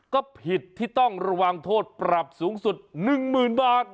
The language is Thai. ก็ผิดที่ต้องระวังโทษปรับสูงสุด๑๐๐๐บาท